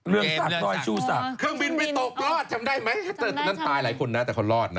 เรืองสักเรืองชูสักเครื่องบินไปตกรอดจำได้ไหมนั่นตายหลายคนนั้นแต่เขารอดนะ